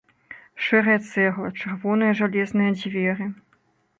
Шэрая цэгла, чырвоныя жалезныя дзверы.